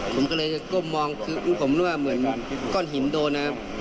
ผมก็เลยก้มมองคือผมรู้ว่าเหมือนก้อนหินโดนนะครับ